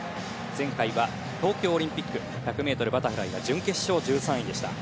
前回は東京オリンピック１００ｍバタフライの準決勝１３位でした。